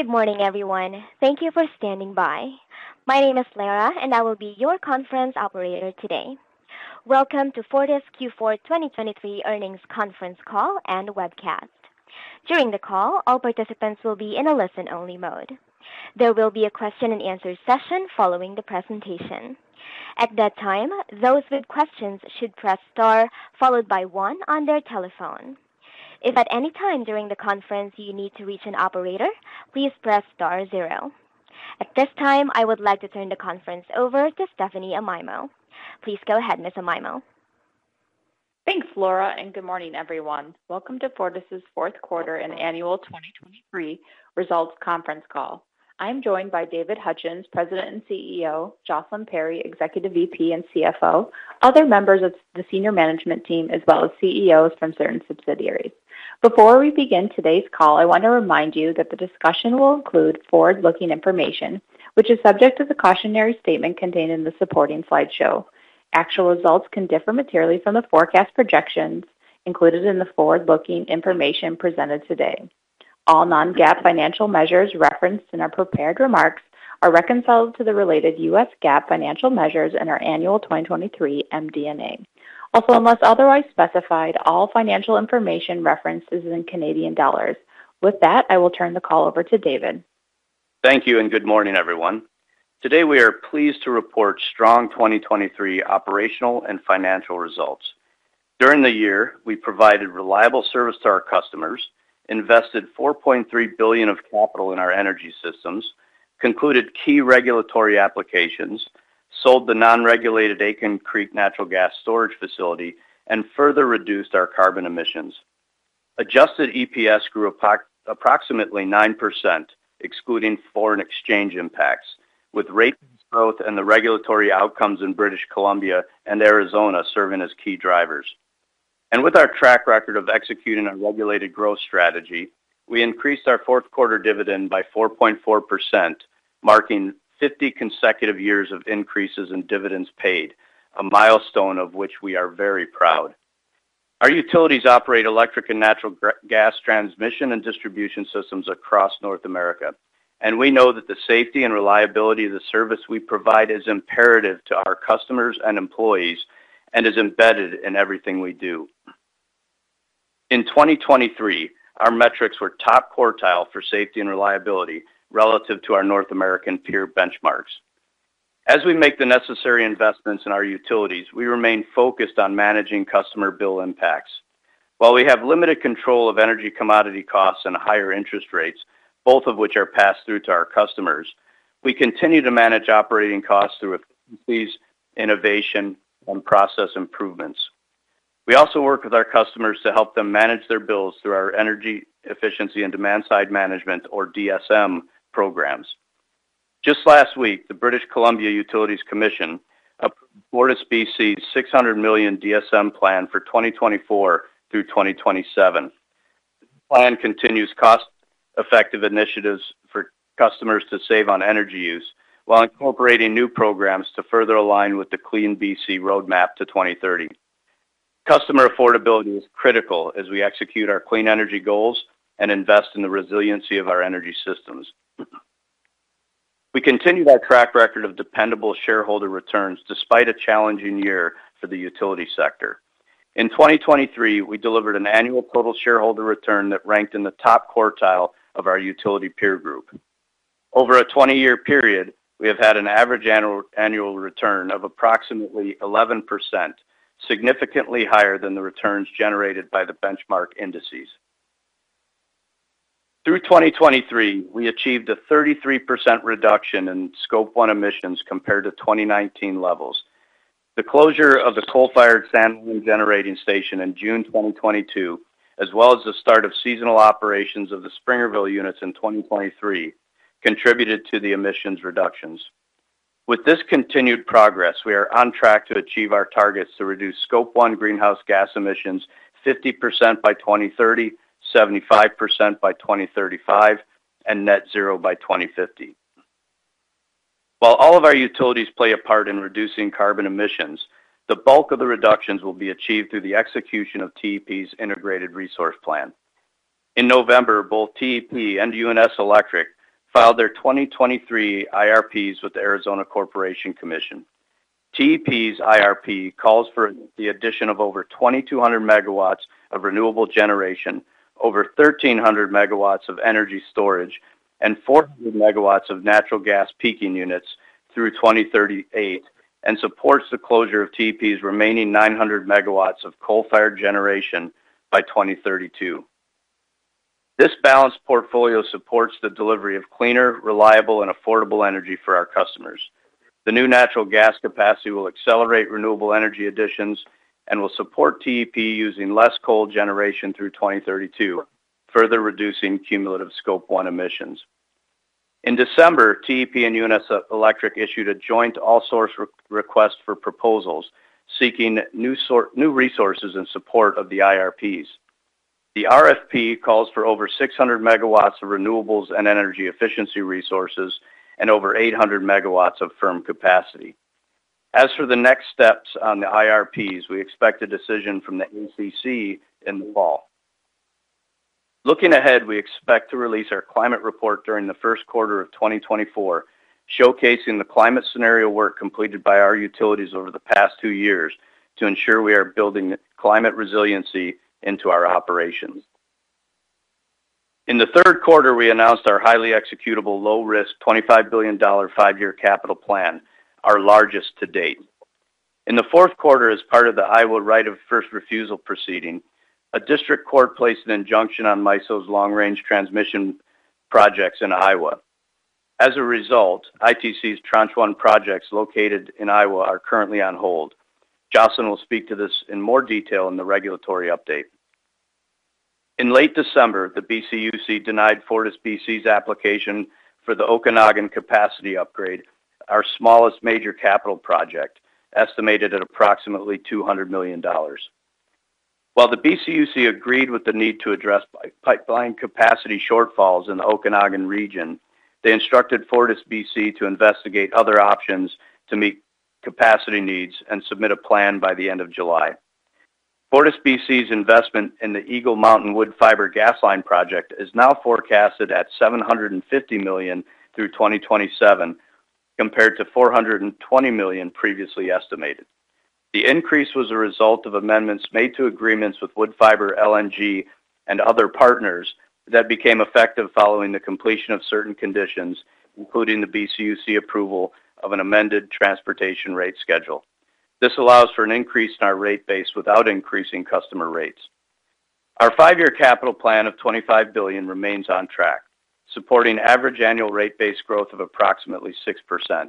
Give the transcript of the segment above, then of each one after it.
Good morning, everyone. Thank you for standing by. My name is Lara, and I will be your conference operator today. Welcome to Fortis Q4 2023 Earnings Conference Call and Webcast. During the call, all participants will be in a listen-only mode. There will be a question-and-answer session following the presentation. At that time, those with questions should press star followed by one on their telephone. If at any time during the conference you need to reach an operator, please press star zero. At this time, I would like to turn the conference over to Stephanie Amaimo. Please go ahead, Ms. Amaimo. Thanks, Lara, and good morning, everyone. Welcome to Fortis's fourth quarter and annual 2023 results conference call. I am joined by David Hutchens, President and CEO, Jocelyn Perry, Executive VP and CFO, other members of the senior management team, as well as CEOs from certain subsidiaries. Before we begin today's call, I want to remind you that the discussion will include forward-looking information, which is subject to the cautionary statement contained in the supporting slideshow. Actual results can differ materially from the forecast projections included in the forward-looking information presented today. All non-GAAP financial measures referenced in our prepared remarks are reconciled to the related U.S. GAAP financial measures in our annual 2023 MD&A. Also, unless otherwise specified, all financial information referenced is in Canadian dollars. With that, I will turn the call over to David. Thank you, and good morning, everyone. Today we are pleased to report strong 2023 operational and financial results. During the year, we provided reliable service to our customers, invested 4.3 billion of capital in our energy systems, concluded key regulatory applications, sold the non-regulated Aitken Creek Natural Gas Storage Facility, and further reduced our carbon emissions. Adjusted EPS grew approximately 9%, excluding foreign exchange impacts, with rate growth and the regulatory outcomes in British Columbia and Arizona serving as key drivers. With our track record of executing a regulated growth strategy, we increased our fourth quarter dividend by 4.4%, marking 50 consecutive years of increases in dividends paid, a milestone of which we are very proud. Our utilities operate electric and natural gas transmission and distribution systems across North America, and we know that the safety and reliability of the service we provide is imperative to our customers and employees and is embedded in everything we do. In 2023, our metrics were top quartile for safety and reliability relative to our North American peer benchmarks. As we make the necessary investments in our utilities, we remain focused on managing customer bill impacts. While we have limited control of energy commodity costs and higher interest rates, both of which are passed through to our customers, we continue to manage operating costs through efficiencies, innovation, and process improvements. We also work with our customers to help them manage their bills through our energy efficiency and demand-side management, or DSM, programs. Just last week, the British Columbia Utilities Commission approved FortisBC's 600 million DSM plan for 2024 through 2027. The plan continues cost-effective initiatives for customers to save on energy use while incorporating new programs to further align with the CleanBC Roadmap to 2030. Customer affordability is critical as we execute our clean energy goals and invest in the resiliency of our energy systems. We continue that track record of dependable shareholder returns despite a challenging year for the utility sector. In 2023, we delivered an annual total shareholder return that ranked in the top quartile of our utility peer group. Over a 20-year period, we have had an average annual return of approximately 11%, significantly higher than the returns generated by the benchmark indices. Through 2023, we achieved a 33% reduction in Scope 1 Emissions compared to 2019 levels. The closure of the coal-fired San Juan Generating Station in June 2022, as well as the start of seasonal operations of the Springerville units in 2023, contributed to the emissions reductions. With this continued progress, we are on track to achieve our targets to reduce Scope 1 Greenhouse Gas Emissions 50% by 2030, 75% by 2035, and net zero by 2050. While all of our utilities play a part in reducing carbon emissions, the bulk of the reductions will be achieved through the execution of TEP's Integrated Resource Plan. In November, both TEP and UNS Electric filed their 2023 IRPs with the Arizona Corporation Commission. TEP's IRP calls for the addition of over 2,200 MW of renewable generation, over 1,300 MW of energy storage, and 400 MW of natural gas peaking units through 2038, and supports the closure of TEP's remaining 900 MW of coal-fired generation by 2032. This balanced portfolio supports the delivery of cleaner, reliable, and affordable energy for our customers. The new natural gas capacity will accelerate renewable energy additions and will support TEP using less coal generation through 2032, further reducing cumulative Scope 1 Emissions. In December, TEP and UNS Electric issued a joint all-source request for proposals seeking new resources in support of the IRPs. The RFP calls for over 600 MW of renewables and energy efficiency resources and over 800 MW of firm capacity. As for the next steps on the IRPs, we expect a decision from the ACC in the fall. Looking ahead, we expect to release our climate report during the first quarter of 2024, showcasing the climate scenario work completed by our utilities over the past two years to ensure we are building climate resiliency into our operations. In the third quarter, we announced our highly executable, low-risk, 25 billion dollar five-year capital plan, our largest to date. In the fourth quarter, as part of the Iowa right of first refusal proceeding, a district court placed an injunction on MISO's long-range transmission projects in Iowa. As a Tranche 1 projects located in Iowa are currently on hold. Jocelyn will speak to this in more detail in the regulatory update. In late December, the BCUC denied FortisBC's application for the Okanagan Capacity Upgrade, our smallest major capital project, estimated at approximately 200 million dollars. While the BCUC agreed with the need to address pipeline capacity shortfalls in the Okanagan region, they instructed FortisBC to investigate other options to meet capacity needs and submit a plan by the end of July. FortisBC's investment in the Eagle Mountain Woodfibre Gas Line Project is now forecasted at 750 million through 2027, compared to 420 million previously estimated. The increase was a result of amendments made to agreements with Woodfibre LNG and other partners that became effective following the completion of certain conditions, including the BCUC approval of an amended transportation rate schedule. This allows for an increase in our rate base without increasing customer rates. Our five-year capital plan of 25 billion remains on track, supporting average annual rate base growth of approximately 6%.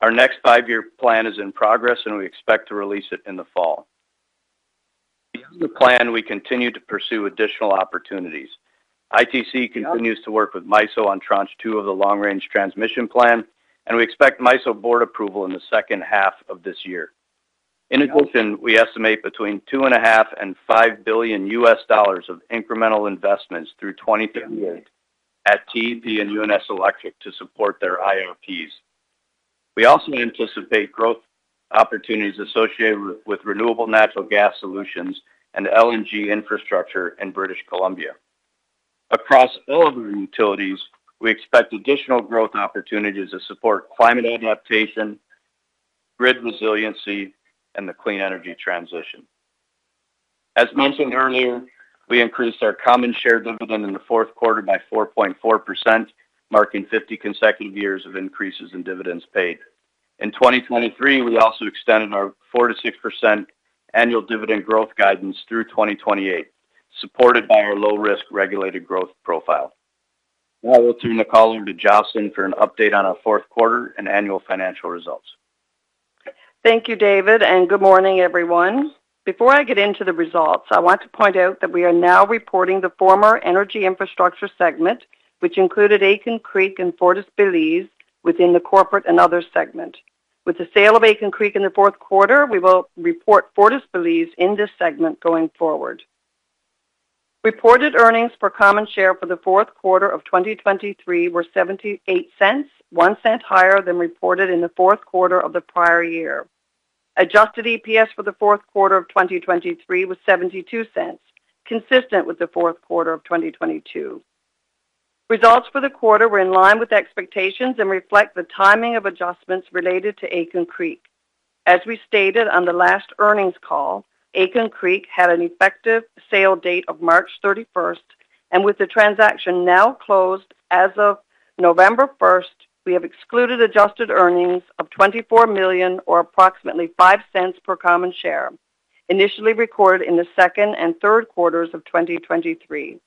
Our next five-year plan is in progress, and we expect to release it in the fall. Beyond the plan, we continue to pursue additional opportunities. ITC continues to work with MISO on Tranche 2 of the Long-Range Transmission Plan, and we expect MISO Board approval in the second half of this year. In addition, we estimate between $2.5 billion-$5 billion of incremental investments through 2038 at TEP and UNS Electric to support their IRPs. We also anticipate growth opportunities associated with renewable natural gas solutions and LNG infrastructure in British Columbia. Across all of our utilities, we expect additional growth opportunities to support climate adaptation, grid resiliency, and the clean energy transition. As mentioned earlier, we increased our common share dividend in the fourth quarter by 4.4%, marking 50 consecutive years of increases in dividends paid. In 2023, we also extended our 4%-6% annual dividend growth guidance through 2028, supported by our low-risk regulated growth profile. Now I will turn the call over to Jocelyn for an update on our fourth quarter and annual financial results. Thank you, David, and good morning, everyone. Before I get into the results, I want to point out that we are now reporting the former energy infrastructure segment, which included Aitken Creek and Fortis Belize within the corporate and other segment. With the sale of Aitken Creek in the fourth quarter, we will report Fortis Belize in this segment going forward. Reported earnings for common share for the fourth quarter of 2023 were 0.78, one cent higher than reported in the fourth quarter of the prior year. Adjusted EPS for the fourth quarter of 2023 was 0.72, consistent with the fourth quarter of 2022. Results for the quarter were in line with expectations and reflect the timing of adjustments related to Aitken Creek. As we stated on the last earnings call, Aitken Creek had an effective sale date of March 31st, and with the transaction now closed as of November 1st, we have excluded adjusted earnings of 24 million or approximately 0.05 per common share, initially recorded in the second and third quarters of 2023.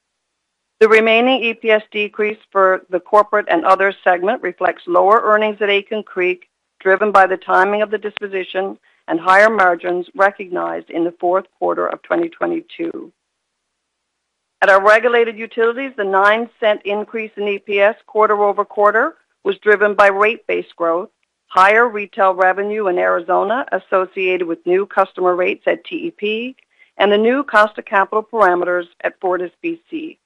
The remaining EPS decrease for the corporate and other segment reflects lower earnings at Aitken Creek driven by the timing of the disposition and higher margins recognized in the fourth quarter of 2022. At our regulated utilities, the 0.09 increase in EPS quarter-over-quarter was driven by rate base growth, higher retail revenue in Arizona associated with new customer rates at TEP, and the new cost of capital parameters at FortisBC.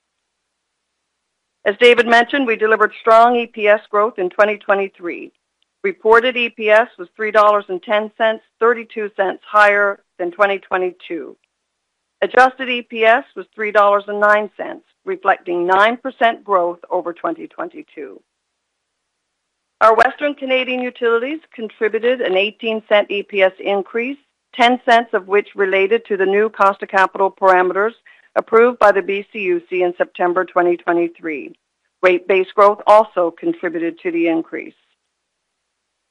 As David mentioned, we delivered strong EPS growth in 2023. Reported EPS was 3.10 dollars, 0.32 higher than 2022. Adjusted EPS was 3.09 dollars, reflecting 9% growth over 2022. Our Western Canadian utilities contributed a 0.18 EPS increase, 0.10 of which related to the new cost of capital parameters approved by the BCUC in September 2023. Rate base growth also contributed to the increase.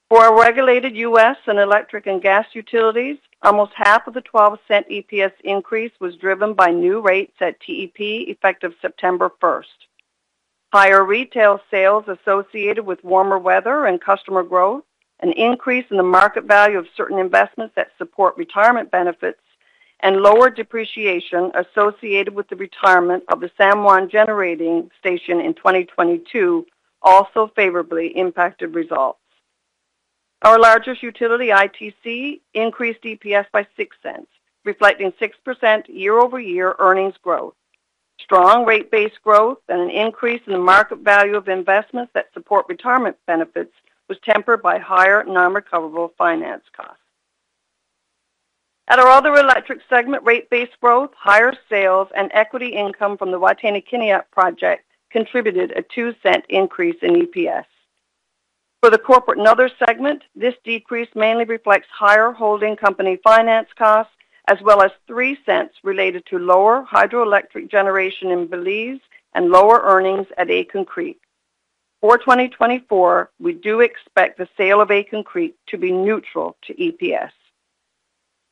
For our regulated U.S. and electric and gas utilities, almost half of the 0.12 EPS increase was driven by new rates at TEP effective September 1st, higher retail sales associated with warmer weather and customer growth, an increase in the market value of certain investments that support retirement benefits, and lower depreciation associated with the retirement of the San Juan Generating Station in 2022 also favorably impacted results. Our largest utility, ITC, increased EPS by 0.06, reflecting 6% year-over-year earnings growth. Strong rate base growth and an increase in the market value of investments that support retirement benefits was tempered by higher non-recoverable finance costs. At our other electric segment, rate base growth, higher sales, and equity income from the Wataynikaneyap project contributed a 0.02 increase in EPS. For the corporate and other segment, this decrease mainly reflects higher holding company finance costs as well as 0.03 related to lower hydroelectric generation in Belize and lower earnings at Aitken Creek. For 2024, we do expect the sale of Aitken Creek to be neutral to EPS.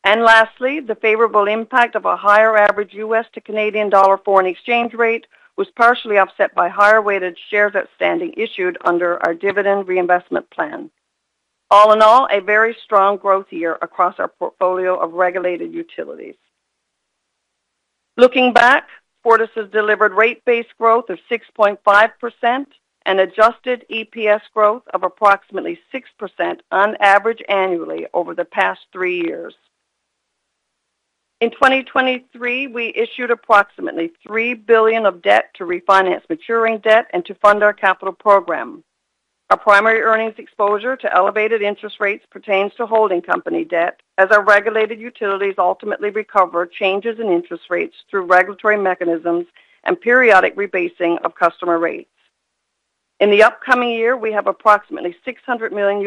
And lastly, the favorable impact of a higher average U.S. to Canadian dollar foreign exchange rate was partially offset by higher weighted shares outstanding issued under our dividend reinvestment plan. All in all, a very strong growth year across our portfolio of regulated utilities. Looking back, Fortis has delivered rate base growth of 6.5% and adjusted EPS growth of approximately 6% on average annually over the past three years. In 2023, we issued approximately 3 billion of debt to refinance maturing debt and to fund our capital program. Our primary earnings exposure to elevated interest rates pertains to holding company debt as our regulated utilities ultimately recover changes in interest rates through regulatory mechanisms and periodic rebasing of customer rates. In the upcoming year, we have approximately $600 million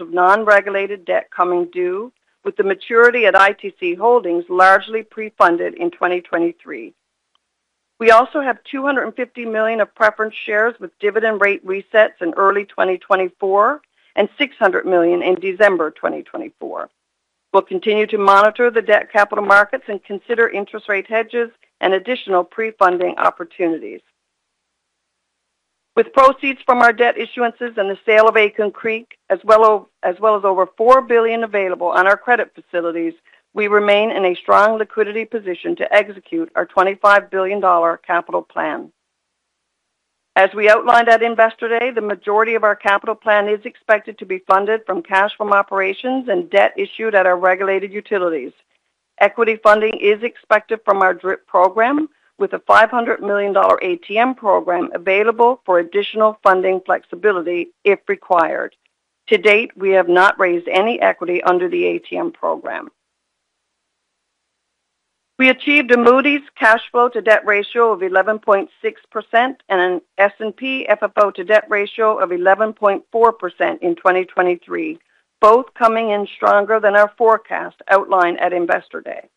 of non-regulated debt coming due, with the maturity at ITC Holdings largely pre-funded in 2023. We also have 250 million of preference shares with dividend rate resets in early 2024 and 600 million in December 2024. We'll continue to monitor the debt capital markets and consider interest rate hedges and additional pre-funding opportunities. With proceeds from our debt issuances and the sale of Aitken Creek as well as over 4 billion available on our credit facilities, we remain in a strong liquidity position to execute our 25 billion dollar capital plan. As we outlined at Investor Day, the majority of our capital plan is expected to be funded from cash from operations and debt issued at our regulated utilities. Equity funding is expected from our DRIP program, with a 500 million dollar ATM program available for additional funding flexibility if required. To date, we have not raised any equity under the ATM program. We achieved a Moody's cash flow to debt ratio of 11.6% and an S&P FFO to debt ratio of 11.4% in 2023, both coming in stronger than our forecast outlined at Investor Day.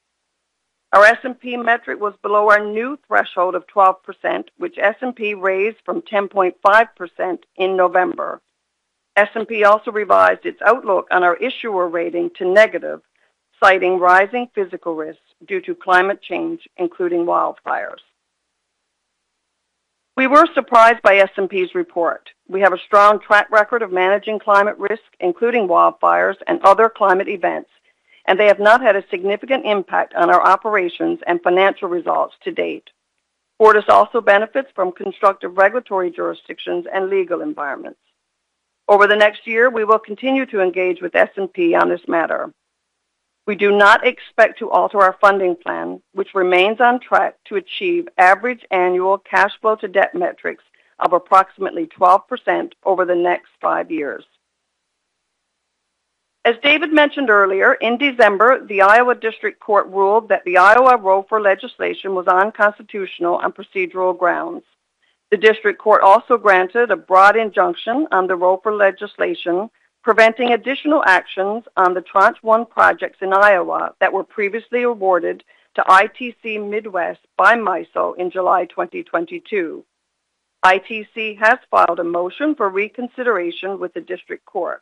Our S&P metric was below our new threshold of 12%, which S&P raised from 10.5% in November. S&P also revised its outlook on our issuer rating to negative, citing rising physical risks due to climate change, including wildfires. We were surprised by S&P's report. We have a strong track record of managing climate risk, including wildfires and other climate events, and they have not had a significant impact on our operations and financial results to date. Fortis also benefits from constructive regulatory jurisdictions and legal environments. Over the next year, we will continue to engage with S&P on this matter. We do not expect to alter our funding plan, which remains on track to achieve average annual cash flow to debt metrics of approximately 12% over the next five years. As David mentioned earlier, in December, the Iowa District Court ruled that the Iowa ROFR legislation was unconstitutional on procedural grounds. The District Court also granted a broad injunction on the ROFR legislation, preventing additional actions on the Tranche 1 projects in Iowa that were previously awarded to ITC Midwest by MISO in July 2022. ITC has filed a motion for reconsideration with the District Court.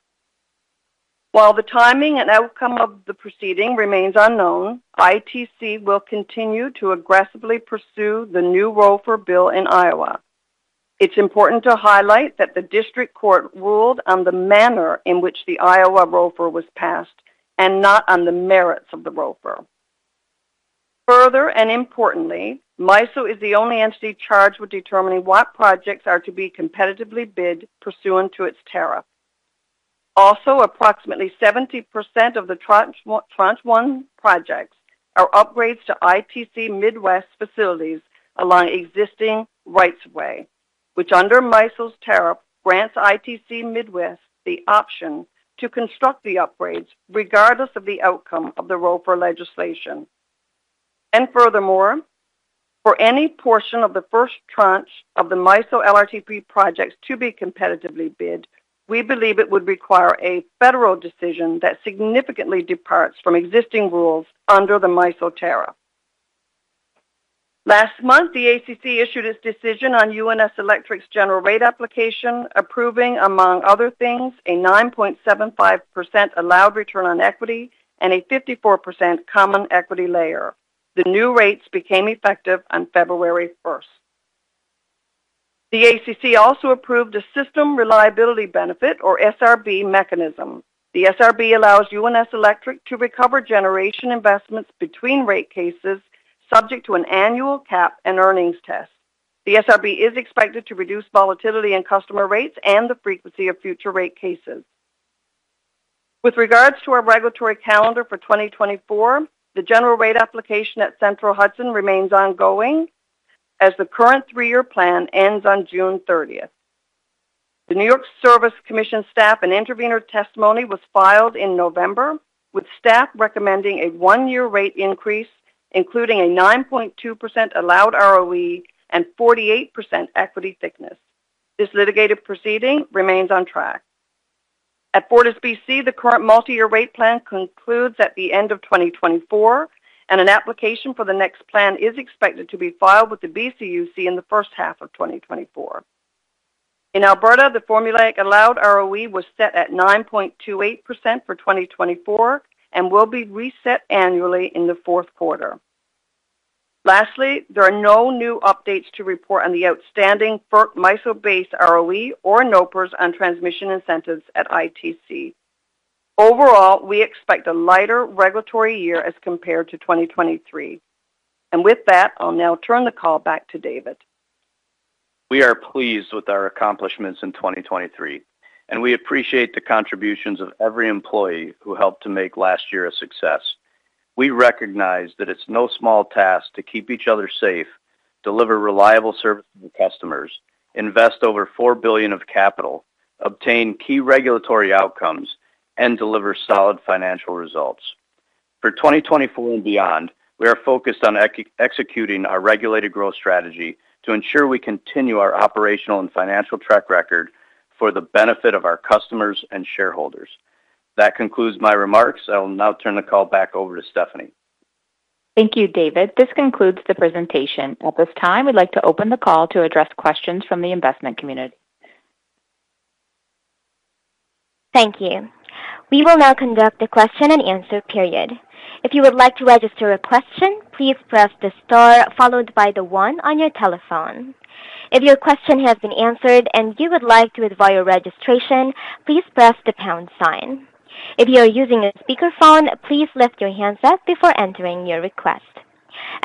While the timing and outcome of the proceeding remains unknown, ITC will continue to aggressively pursue the new ROFR bill in Iowa. It's important to highlight that the District Court ruled on the manner in which the Iowa ROFR was passed and not on the merits of the ROFR. Further and importantly, MISO is the only entity charged with determining what projects are to be competitively bid pursuant to its tariff. Also, approximately 70% of the Tranche 1 projects are upgrades to ITC Midwest facilities along existing right-of-way, which under MISO's tariff grants ITC Midwest the option to construct the upgrades regardless of the outcome of the ROFR legislation. Furthermore, for any portion of the first tranche of the MISO LRTP projects to be competitively bid, we believe it would require a federal decision that significantly departs from existing rules under the MISO tariff. Last month, the ACC issued its decision on UNS Electric's general rate application, approving, among other things, a 9.75% allowed return on equity and a 54% common equity layer. The new rates became effective on February 1st. The ACC also approved a System Reliability Benefit or SRB mechanism. The SRB allows UNS Electric to recover generation investments between rate cases subject to an annual cap and earnings test. The SRB is expected to reduce volatility in customer rates and the frequency of future rate cases. With regards to our regulatory calendar for 2024, the general rate application at Central Hudson remains ongoing as the current three-year plan ends on June 30th. The New York Public Service Commission staff and intervenor testimony was filed in November, with staff recommending a one-year rate increase, including a 9.2% allowed ROE and 48% equity thickness. This litigated proceeding remains on track. At FortisBC, the current multi-year rate plan concludes at the end of 2024, and an application for the next plan is expected to be filed with the BCUC in the first half of 2024. In Alberta, the formulaic allowed ROE was set at 9.28% for 2024 and will be reset annually in the fourth quarter. Lastly, there are no new updates to report on the outstanding FERC MISO-based ROE or NOPRs on transmission incentives at ITC. Overall, we expect a lighter regulatory year as compared to 2023. With that, I'll now turn the call back to David. We are pleased with our accomplishments in 2023, and we appreciate the contributions of every employee who helped to make last year a success. We recognize that it's no small task to keep each other safe, deliver reliable service to customers, invest over 4 billion of capital, obtain key regulatory outcomes, and deliver solid financial results. For 2024 and beyond, we are focused on executing our regulated growth strategy to ensure we continue our operational and financial track record for the benefit of our customers and shareholders. That concludes my remarks. I will now turn the call back over to Stephanie. Thank you, David. This concludes the presentation. At this time, we'd like to open the call to address questions from the investment community. Thank you. We will now conduct a question-and-answer period. If you would like to register a question, please press the star followed by the 1 on your telephone. If your question has been answered and you would like to advise your registration, please press the pound sign. If you are using a speakerphone, please lift your hands up before entering your request.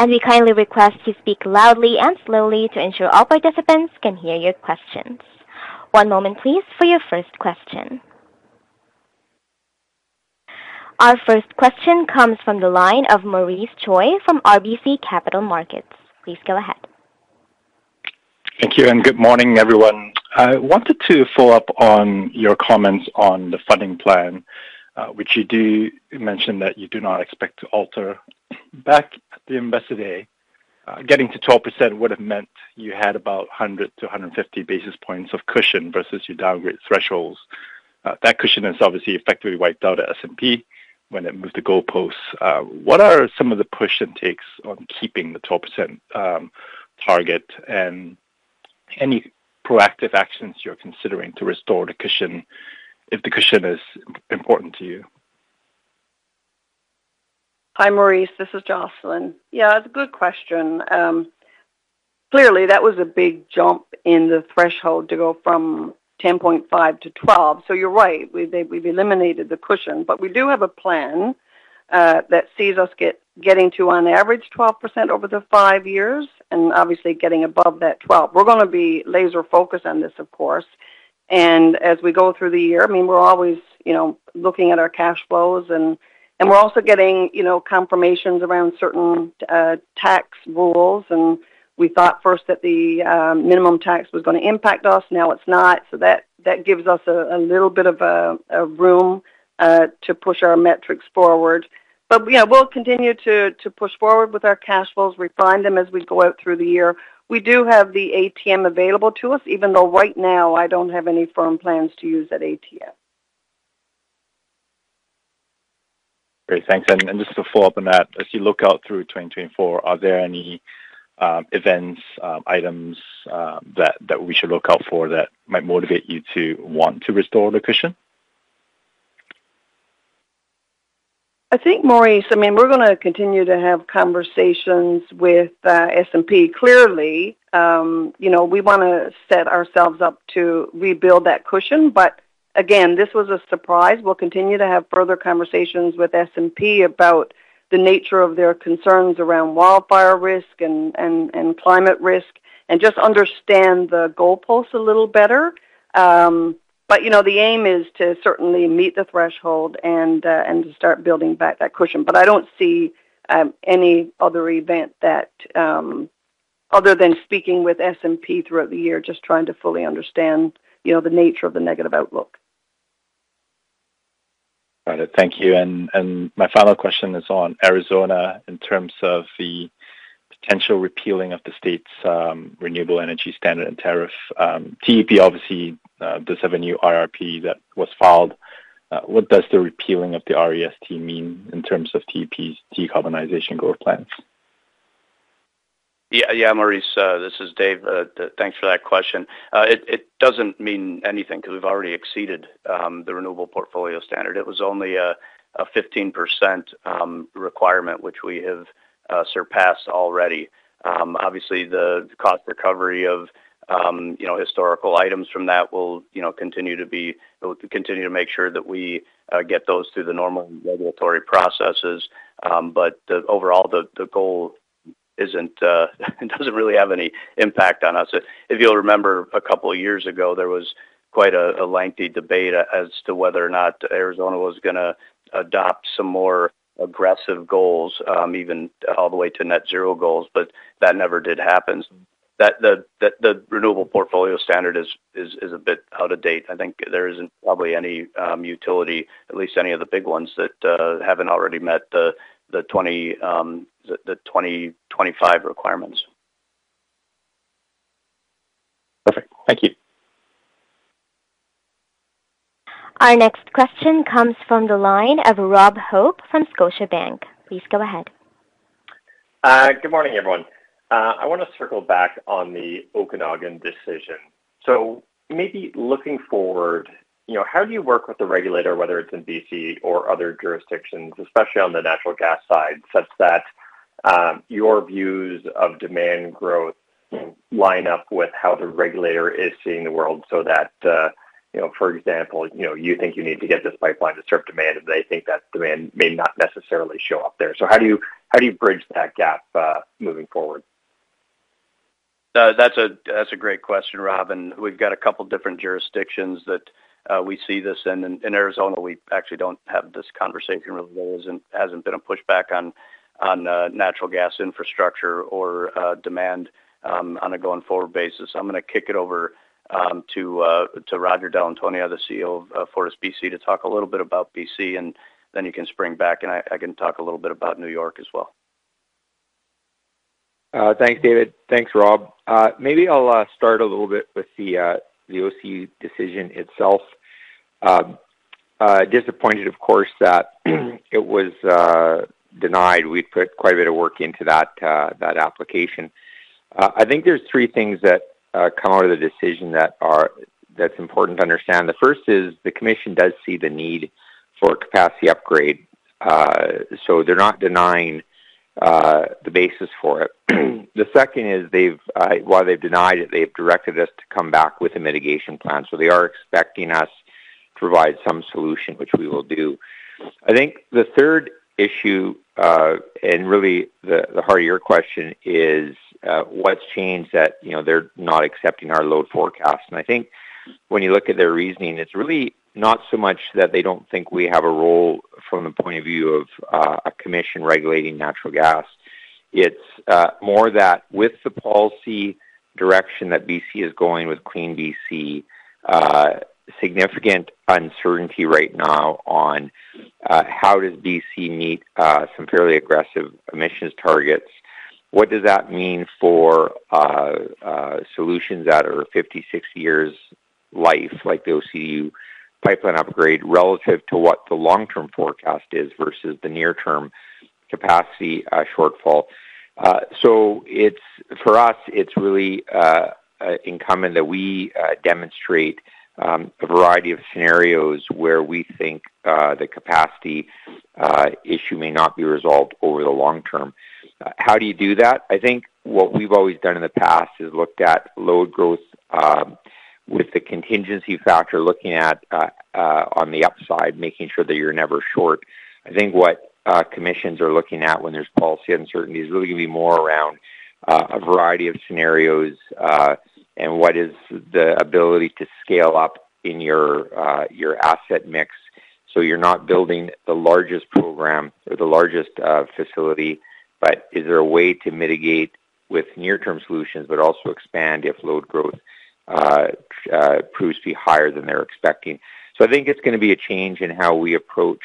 We kindly request you speak loudly and slowly to ensure all participants can hear your questions. One moment, please, for your first question. Our first question comes from the line of Maurice Choy from RBC Capital Markets. Please go ahead. Thank you, and good morning, everyone. I wanted to follow up on your comments on the funding plan, which you do mention that you do not expect to alter. Back at the Investor Day, getting to 12% would have meant you had about 100-150 basis points of cushion versus your downgrade thresholds. That cushion has obviously effectively wiped out at S&P when it moved the goalposts. What are some of the push and takes on keeping the 12% target and any proactive actions you're considering to restore the cushion if the cushion is important to you? Hi, Maurice. This is Jocelyn. Yeah, that's a good question. Clearly, that was a big jump in the threshold to go from 10.5%-12%. So you're right, we've eliminated the cushion. But we do have a plan that sees us getting to on average 12% over the five years and obviously getting above that 12%. We're going to be laser-focused on this, of course. And as we go through the year, I mean, we're always looking at our cash flows, and we're also getting confirmations around certain tax rules. And we thought first that the minimum tax was going to impact us. Now it's not. So that gives us a little bit of room to push our metrics forward. But we'll continue to push forward with our cash flows, refine them as we go out through the year. We do have the ATM available to us, even though right now I don't have any firm plans to use that ATM. Great. Thanks. Just to follow up on that, as you look out through 2024, are there any events, items that we should look out for that might motivate you to want to restore the cushion? I think, Maurice, I mean, we're going to continue to have conversations with S&P. Clearly, we want to set ourselves up to rebuild that cushion. But again, this was a surprise. We'll continue to have further conversations with S&P about the nature of their concerns around wildfire risk and climate risk and just understand the goalposts a little better. But the aim is to certainly meet the threshold and to start building back that cushion. But I don't see any other event that other than speaking with S&P throughout the year, just trying to fully understand the nature of the negative outlook. Got it. Thank you. My final question is on Arizona in terms of the potential repealing of the state's Renewable Energy Standard and Tariff. TEP obviously does have a new IRP that was filed. What does the repealing of the REST mean in terms of TEP's decarbonization goal plans? Yeah, Maurice. This is Dave. Thanks for that question. It doesn't mean anything because we've already exceeded the renewable portfolio standard. It was only a 15% requirement, which we have surpassed already. Obviously, the cost recovery of historical items from that we'll continue to make sure that we get those through the normal regulatory processes. But overall, the goal doesn't really have any impact on us. If you'll remember, a couple of years ago, there was quite a lengthy debate as to whether or not Arizona was going to adopt some more aggressive goals, even all the way to net-zero goals. But that never did happen. The renewable portfolio standard is a bit out of date. I think there isn't probably any utility, at least any of the big ones, that haven't already met the 2025 requirements. Perfect. Thank you. Our next question comes from the line of Rob Hope from Scotiabank. Please go ahead. Good morning, everyone. I want to circle back on the Okanagan decision. So maybe looking forward, how do you work with the regulator, whether it's in BC or other jurisdictions, especially on the natural gas side, such that your views of demand growth line up with how the regulator is seeing the world so that, for example, you think you need to get this pipeline to serve demand, and they think that demand may not necessarily show up there? So how do you bridge that gap moving forward? That's a great question, Rob. And we've got a couple of different jurisdictions that we see this. And in Arizona, we actually don't have this conversation really. There hasn't been a pushback on natural gas infrastructure or demand on a going forward basis. I'm going to kick it over to Roger Dall’Antonia, the CEO of FortisBC, to talk a little bit about BC, and then you can spring back, and I can talk a little bit about New York as well. Thanks, David. Thanks, Rob. Maybe I'll start a little bit with the OCU decision itself. Disappointed, of course, that it was denied. We'd put quite a bit of work into that application. I think there's three things that come out of the decision that's important to understand. The first is the commission does see the need for a capacity upgrade, so they're not denying the basis for it. The second is, while they've denied it, they've directed us to come back with a mitigation plan. So they are expecting us to provide some solution, which we will do. I think the third issue, and really the heart of your question, is what's changed that they're not accepting our load forecast. I think when you look at their reasoning, it's really not so much that they don't think we have a role from the point of view of a commission regulating natural gas. It's more that with the policy direction that BC is going with CleanBC, significant uncertainty right now on how does BC meet some fairly aggressive emissions targets. What does that mean for solutions that are 50-60 years' life, like the OCU pipeline upgrade, relative to what the long-term forecast is versus the near-term capacity shortfall? For us, it's really incumbent that we demonstrate a variety of scenarios where we think the capacity issue may not be resolved over the long term. How do you do that? I think what we've always done in the past is looked at load growth with the contingency factor, looking at on the upside, making sure that you're never short. I think what commissions are looking at when there's policy uncertainty is really going to be more around a variety of scenarios and what is the ability to scale up in your asset mix so you're not building the largest program or the largest facility, but is there a way to mitigate with near-term solutions but also expand if load growth proves to be higher than they're expecting? So I think it's going to be a change in how we approach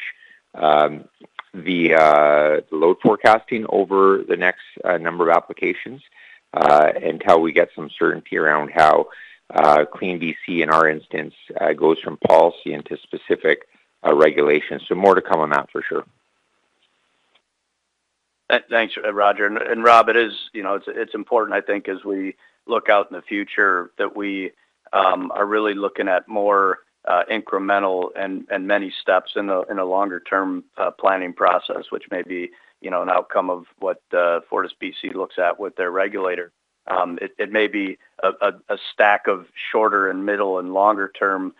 the load forecasting over the next number of applications and how we get some certainty around how CleanBC, in our instance, goes from policy into specific regulation. So more to come on that for sure. Thanks, Roger. Rob, it's important, I think, as we look out in the future that we are really looking at more incremental and many steps in a longer-term planning process, which may be an outcome of what FortisBC looks at with their regulator. It may be a stack of shorter and middle and longer-term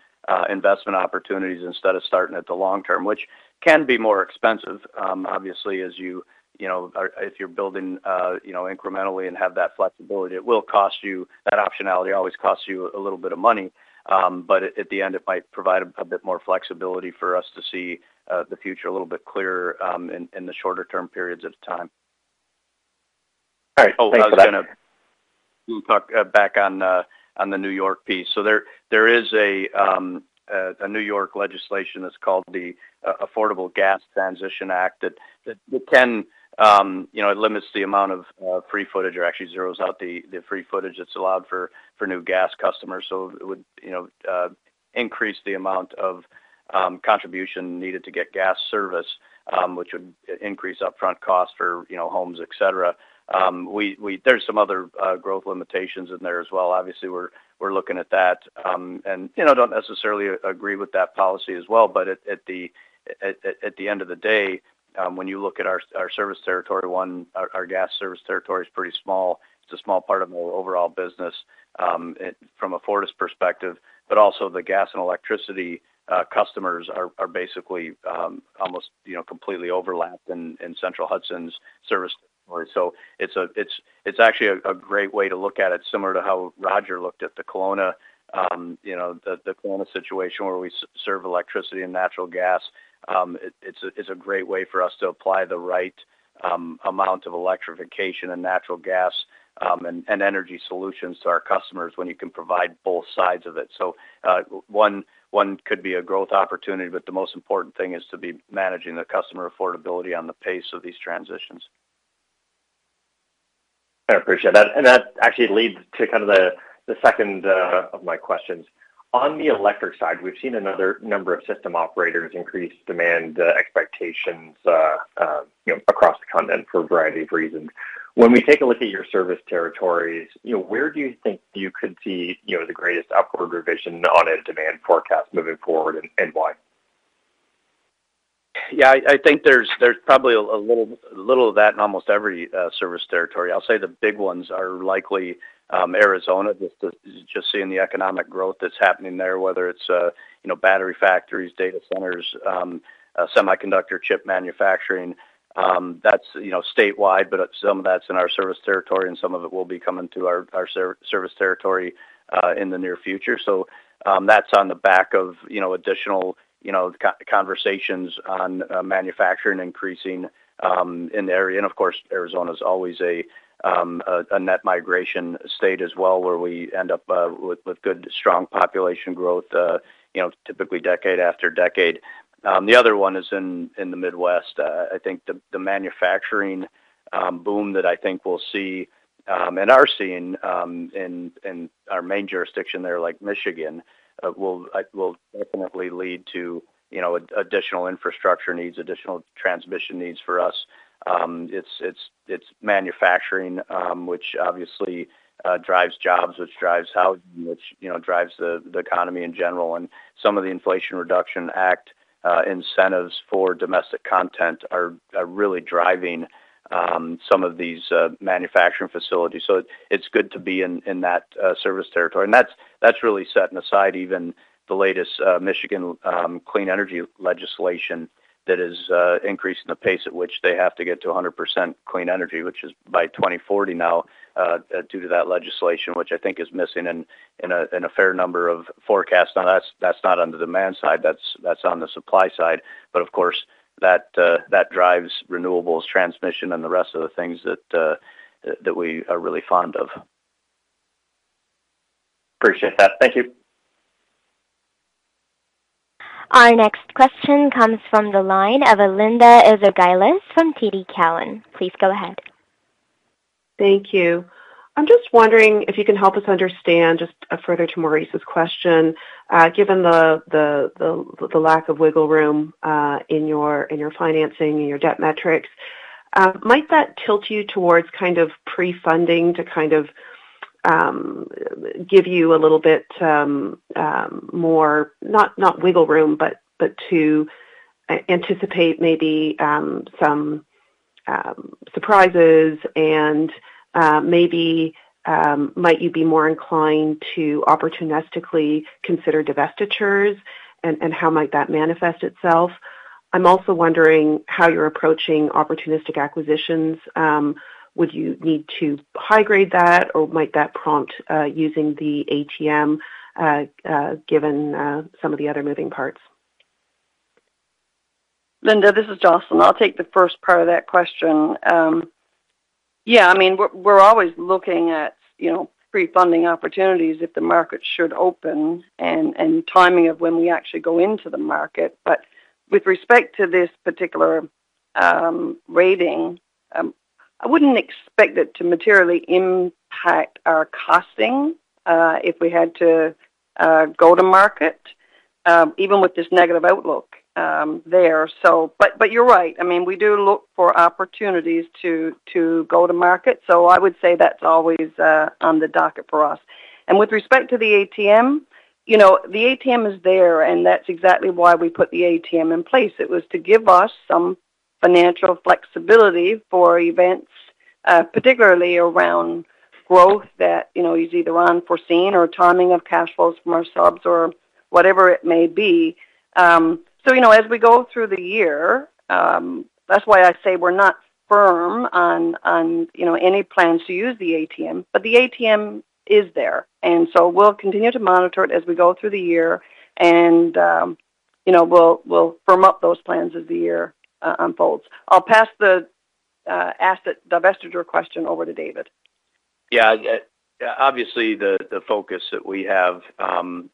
investment opportunities instead of starting at the long term, which can be more expensive, obviously, as you if you're building incrementally and have that flexibility; it will cost you that optionality always costs you a little bit of money. But at the end, it might provide a bit more flexibility for us to see the future a little bit clearer in the shorter-term periods of time. All right. Thanks. Oh, thanks. I was going to talk back on the New York piece. So there is a New York legislation that's called the Affordable Gas Transition Act that, it limits the amount of free footage or actually zeros out the free footage that's allowed for new gas customers. So it would increase the amount of contribution needed to get gas service, which would increase upfront costs for homes, etc. There's some other growth limitations in there as well. Obviously, we're looking at that and don't necessarily agree with that policy as well. But at the end of the day, when you look at our service territory, one, our gas service territory is pretty small. It's a small part of the overall business from a Fortis perspective. But also, the gas and electricity customers are basically almost completely overlapped in Central Hudson's service territory. So it's actually a great way to look at it, similar to how Roger looked at the Kelowna, the Kelowna situation where we serve electricity and natural gas. It's a great way for us to apply the right amount of electrification and natural gas and energy solutions to our customers when you can provide both sides of it. So one could be a growth opportunity, but the most important thing is to be managing the customer affordability on the pace of these transitions. I appreciate that. And that actually leads to kind of the second of my questions. On the electric side, we've seen another number of system operators increase demand expectations across the continent for a variety of reasons. When we take a look at your service territories, where do you think you could see the greatest upward revision on a demand forecast moving forward and why? Yeah, I think there's probably a little of that in almost every service territory. I'll say the big ones are likely Arizona, just seeing the economic growth that's happening there, whether it's battery factories, data centers, semiconductor chip manufacturing. That's statewide, but some of that's in our service territory, and some of it will be coming to our service territory in the near future. So that's on the back of additional conversations on manufacturing increasing in the area. And of course, Arizona is always a net migration state as well, where we end up with good, strong population growth, typically decade after decade. The other one is in the Midwest. I think the manufacturing boom that I think we'll see and are seeing in our main jurisdiction there, like Michigan, will definitely lead to additional infrastructure needs, additional transmission needs for us. It's manufacturing, which obviously drives jobs, which drives housing, which drives the economy in general. And some of the Inflation Reduction Act incentives for domestic content are really driving some of these manufacturing facilities. So it's good to be in that service territory. And that's really setting aside even the latest Michigan clean energy legislation that is increasing the pace at which they have to get to 100% clean energy, which is by 2040 now due to that legislation, which I think is missing in a fair number of forecasts. Now, that's not on the demand side. That's on the supply side. But of course, that drives renewables, transmission, and the rest of the things that we are really fond of. Appreciate that. Thank you. Our next question comes from the line of Linda Ezergailis from TD Cowen. Please go ahead. Thank you. I'm just wondering if you can help us understand just further to Maurice's question, given the lack of wiggle room in your financing and your debt metrics, might that tilt you towards kind of pre-funding to kind of give you a little bit more not wiggle room, but to anticipate maybe some surprises? And maybe might you be more inclined to opportunistically consider divestitures, and how might that manifest itself? I'm also wondering how you're approaching opportunistic acquisitions. Would you need to high-grade that, or might that prompt using the ATM, given some of the other moving parts? Linda, this is Jocelyn. I'll take the first part of that question. Yeah, I mean, we're always looking at pre-funding opportunities if the market should open and timing of when we actually go into the market. But with respect to this particular rating, I wouldn't expect it to materially impact our costing if we had to go to market, even with this negative outlook there. But you're right. I mean, we do look for opportunities to go to market. So I would say that's always on the docket for us. And with respect to the ATM, the ATM is there, and that's exactly why we put the ATM in place. It was to give us some financial flexibility for events, particularly around growth that is either unforeseen or timing of cash flows from our subs or whatever it may be. As we go through the year, that's why I say we're not firm on any plans to use the ATM. The ATM is there. We'll continue to monitor it as we go through the year, and we'll firm up those plans as the year unfolds. I'll pass the divestiture question over to David. Yeah. Obviously, the focus that we have from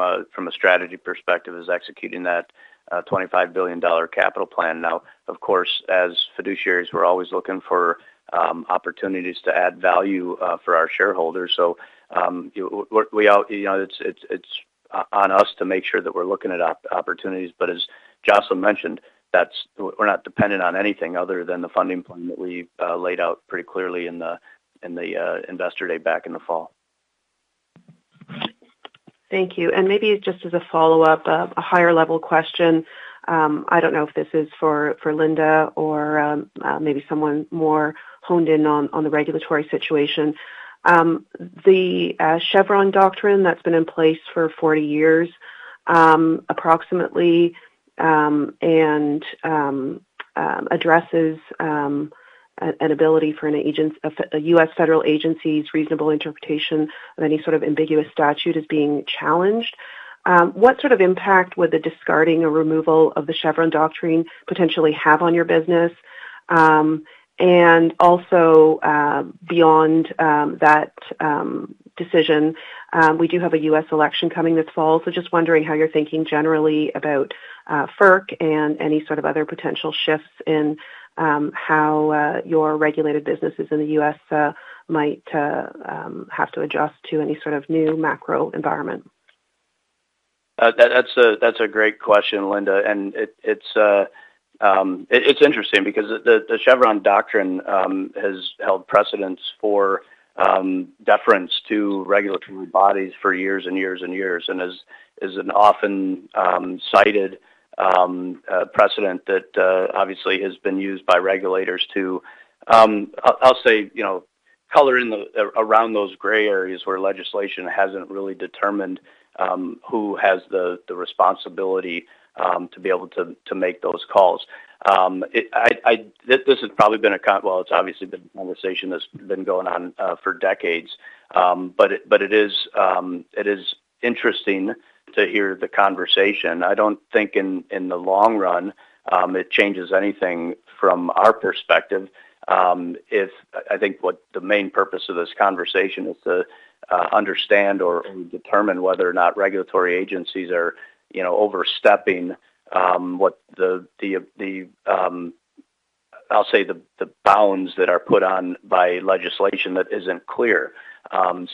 a strategy perspective is executing that 25 billion dollar capital plan. Now, of course, as fiduciaries, we're always looking for opportunities to add value for our shareholders. So it's on us to make sure that we're looking at opportunities. But as Jocelyn mentioned, we're not dependent on anything other than the funding plan that we laid out pretty clearly in the Investor Day back in the fall. Thank you. Maybe just as a follow-up, a higher-level question. I don't know if this is for Linda or maybe someone more honed in on the regulatory situation. The Chevron doctrine that's been in place for 40 years approximately addresses an ability for a U.S. federal agency's reasonable interpretation of any sort of ambiguous statute as being challenged. What sort of impact would the discarding or removal of the Chevron doctrine potentially have on your business? And also beyond that decision, we do have a U.S. election coming this fall. So just wondering how you're thinking generally about FERC and any sort of other potential shifts in how your regulated businesses in the U.S. might have to adjust to any sort of new macro environment. That's a great question, Linda. It's interesting because the Chevron doctrine has held precedence for deference to regulatory bodies for years and years and years and is an often-cited precedent that obviously has been used by regulators to, I'll say, color in around those gray areas where legislation hasn't really determined who has the responsibility to be able to make those calls. This has probably been a well, it's obviously been a conversation that's been going on for decades. It is interesting to hear the conversation. I don't think in the long run it changes anything from our perspective. I think what the main purpose of this conversation is to understand or determine whether or not regulatory agencies are overstepping what the, I'll say, the bounds that are put on by legislation that isn't clear. And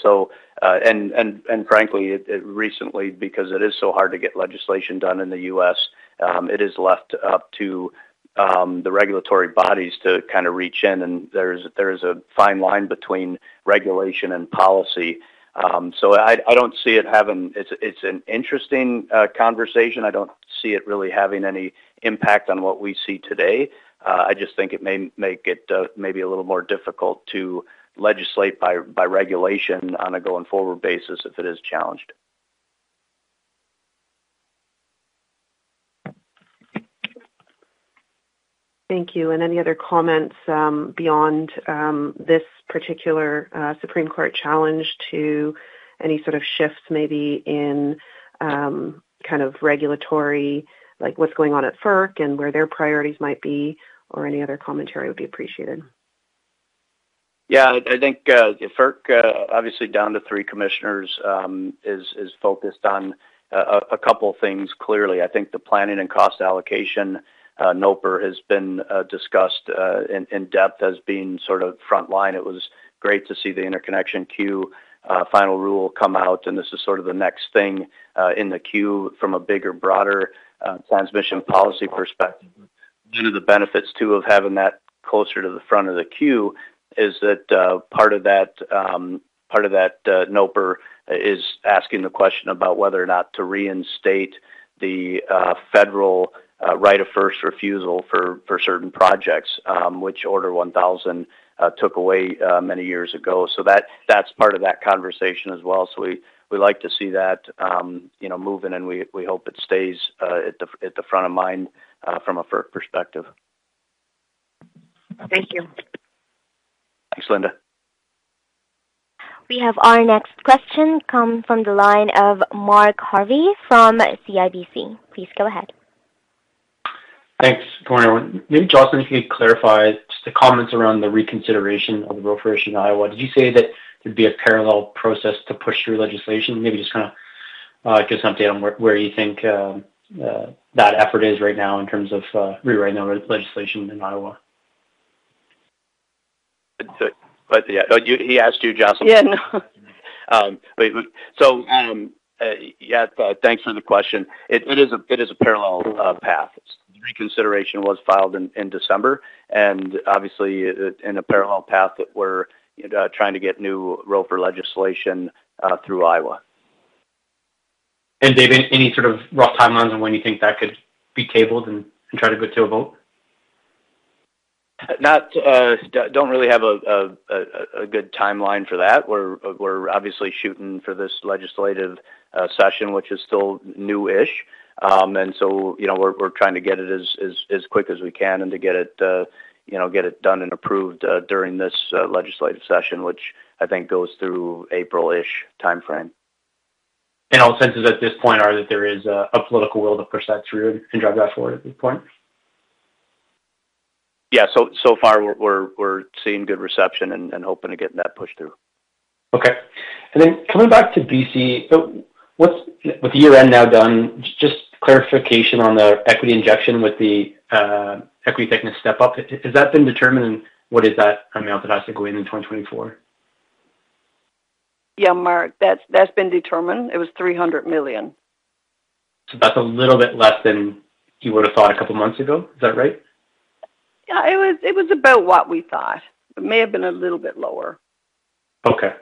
frankly, recently, because it is so hard to get legislation done in the U.S., it is left up to the regulatory bodies to kind of reach in. And there is a fine line between regulation and policy. So I don't see it having. It's an interesting conversation. I don't see it really having any impact on what we see today. I just think it may make it maybe a little more difficult to legislate by regulation on a going forward basis if it is challenged. Thank you. Any other comments beyond this particular Supreme Court challenge to any sort of shifts maybe in kind of regulatory, like what's going on at FERC and where their priorities might be? Or any other commentary would be appreciated. Yeah. I think FERC, obviously down to three commissioners, is focused on a couple of things clearly. I think the Planning and Cost Allocation NOPR has been discussed in depth as being sort of frontline. It was great to see the interconnection queue final rule come out. And this is sort of the next thing in the queue from a bigger, broader transmission policy perspective. One of the benefits, too, of having that closer to the front of the queue is that part of that NOPR is asking the question about whether or not to reinstate the federal right of first refusal for certain projects, which Order 1000 took away many years ago. So that's part of that conversation as well. So we like to see that moving, and we hope it stays at the front of mind from a FERC perspective. Thank you. Thanks, Linda. We have our next question come from the line of Mark Jarvi from CIBC. Please go ahead. Thanks, to everyone. Maybe Jocelyn, if you could clarify just the comments around the reconsideration of the ROFR legislation of Iowa. Did you say that there'd be a parallel process to push through legislation? Maybe just kind of give us an update on where you think that effort is right now in terms of rewriting the legislation in Iowa. Yeah, he asked you, Jocelyn. Yeah. No. So yeah, thanks for the question. It is a parallel path. The reconsideration was filed in December, and obviously, in a parallel path that we're trying to get new ROFR legislation through Iowa. David, any sort of rough timelines on when you think that could be tabled and try to go to a vote? Don't really have a good timeline for that. We're obviously shooting for this legislative session, which is still new-ish. And so we're trying to get it as quick as we can and to get it done and approved during this legislative session, which I think goes through April-ish timeframe. All senses at this point are that there is a political will to push that through and drive that forward at this point? Yeah. So far, we're seeing good reception and hoping to get that pushed through. Okay. And then coming back to BC, with the year-end now done, just clarification on the equity injection with the equity thickness step-up. Has that been determined, and what is that amount that has to go in in 2024? Yeah, Mark, that's been determined. It was 300 million. That's a little bit less than you would have thought a couple of months ago. Is that right? Yeah, it was about what we thought. It may have been a little bit lower. Okay.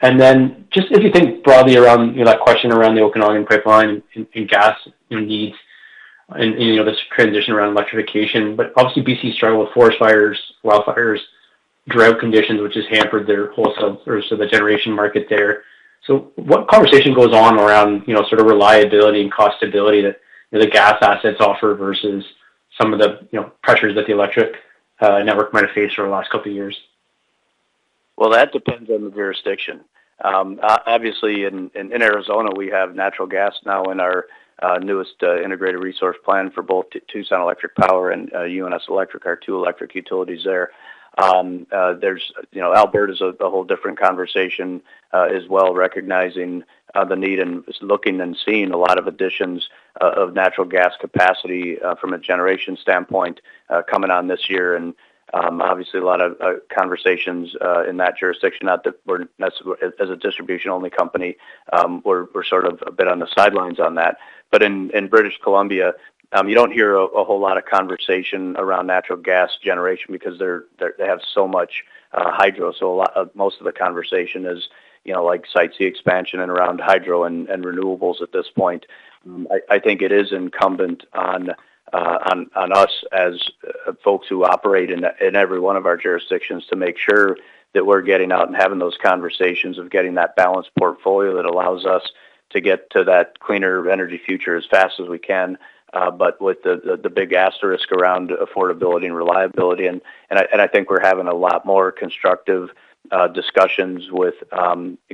And then just if you think broadly around that question around the Okanagan pipeline and gas needs and this transition around electrification. But obviously, BC struggled with forest fires, wildfires, drought conditions, which has hampered their wholesale or sort of the generation market there. So what conversation goes on around sort of reliability and cost stability that the gas assets offer versus some of the pressures that the electric network might have faced over the last couple of years? Well, that depends on the jurisdiction. Obviously, in Arizona, we have natural gas now in our newest integrated resource plan for both Tucson Electric Power and UNS Electric. Our two electric utilities there. Alberta is a whole different conversation as well, recognizing the need and looking and seeing a lot of additions of natural gas capacity from a generation standpoint coming on this year. And obviously, a lot of conversations in that jurisdiction, not that we're as a distribution-only company, we're sort of a bit on the sidelines on that. But in British Columbia, you don't hear a whole lot of conversation around natural gas generation because they have so much hydro. So most of the conversation is like Site C expansion and around hydro and renewables at this point. I think it is incumbent on us as folks who operate in every one of our jurisdictions to make sure that we're getting out and having those conversations of getting that balanced portfolio that allows us to get to that cleaner energy future as fast as we can, but with the big asterisk around affordability and reliability. And I think we're having a lot more constructive discussions with